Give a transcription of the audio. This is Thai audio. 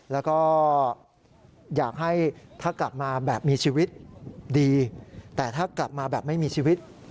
แล้วก็อยากให้ถ้ากลับมาแบบมีชีวิตดีแต่ถ้ากลับมาแบบไม่มีชีวิต